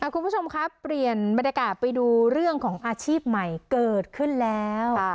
คุณผู้ชมครับเปลี่ยนบรรยากาศไปดูเรื่องของอาชีพใหม่เกิดขึ้นแล้ว